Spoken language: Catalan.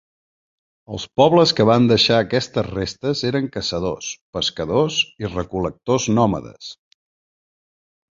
Els pobles que van deixar aquestes restes eren caçadors, pescadors i recol·lectors nòmades.